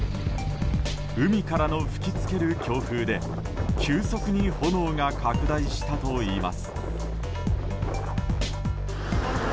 海からの吹き付ける強風で急速に炎が拡大したといいます。